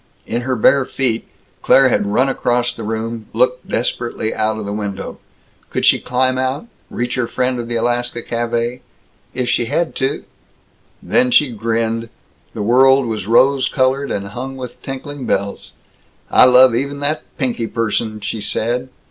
In her bare feet, Claire had run across the room, looked desperately out of the window. Could she climb out, reach her friend of the Alaska Café? If she had to Then she grinned. The world was rose colored and hung with tinkling bells. "I love even that Pinky person!" she said.